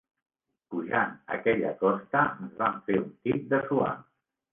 Pujant aquella costa, ens vam fer un tip de suar.